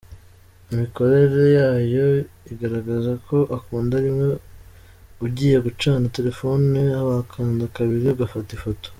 Imikorere yayo igaragaza ko ukanda rimwe ugiye gucana telefoni, wakanda kabiri ugufata ifoto.